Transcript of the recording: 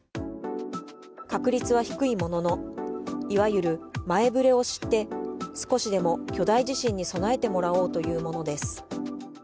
確率は低いものの、いわゆる前触れを知って、少しでも巨大地震に備えてもらおうというものです。